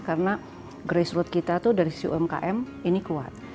karena grace root kita tuh dari sisi umkm ini kuat